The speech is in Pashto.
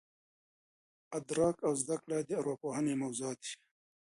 ادراک او زده کړه د ارواپوهني موضوعات دي.